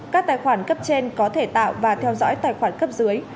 các tài khoản cấp trên có thể tạo và theo dõi tài khoản cấp dưới